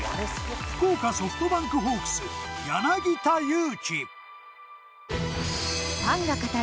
福岡ソフトバンクホークス柳田悠岐。